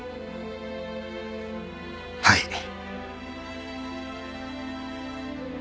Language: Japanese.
はい。